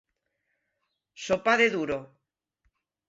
Sopar de duro.